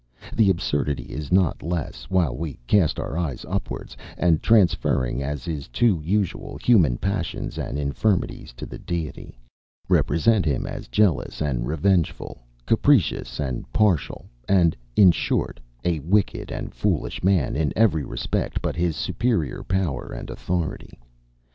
The absurdity is not less, while we cast our eyes upwards; and, transferring, as is too usual, human passions and infirmities to the Deity, represent him as jealous and revengeful, capricious and partial, and, in short, a wicked and foolish man in every respect but his superior power and authority.